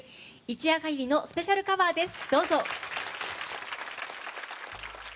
一夜限りのスペシャルカバーです。